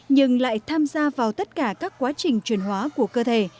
nhưng lại tham gia vào tất cả các quá trình truyền hóa của cơ thể